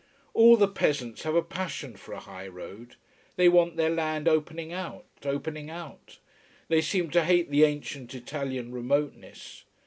All the peasants have a passion for a high road. They want their land opening out, opening out. They seem to hate the ancient Italian remoteness.